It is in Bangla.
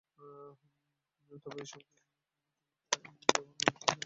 তবে এসব ক্রিম অতিমাত্রায় ব্যবহার করার ফলে নানান পার্শ্বপ্রতিক্রিয়া হতে পারে।